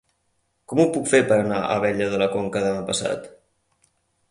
Com ho puc fer per anar a Abella de la Conca demà passat?